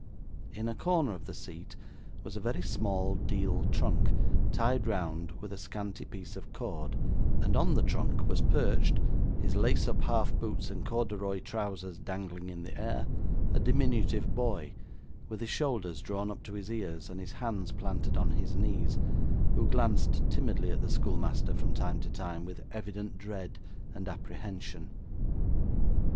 In a corner of the seat, was a very small deal trunk, tied round with a scanty piece of cord; and on the trunk was perched his lace up half boots and corduroy trousers dangling in the air a diminutive boy, with his shoulders drawn up to his ears, and his hands planted on his knees, who glanced timidly at the schoolmaster, from time to time, with evident dread and apprehension.